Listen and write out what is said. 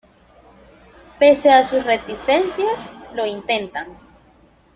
Pese a sus reticencias, lo intentan.